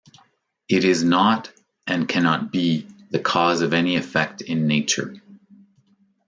It is not, and cannot be, the cause of any effect in Nature.